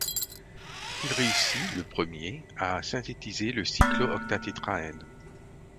Il réussit, le premier, à synthétiser le cyclooctatétraène.